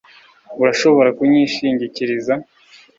Urashobora kunyishingikiriza